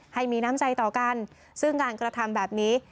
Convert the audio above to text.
ให้มีน้ำใจต่อกันซึ่งการกระทำแบบนี้